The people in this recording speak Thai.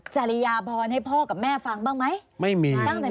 จริยภรณ์ให้พ่อกับแม่ฟังบ้างไหม